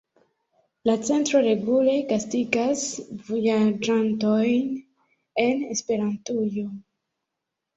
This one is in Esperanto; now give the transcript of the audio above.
La centro regule gastigas vojaĝantojn en Esperantujo.